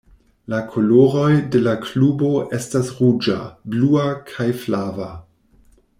La koloroj de la klubo estas ruĝa, blua, kaj flava.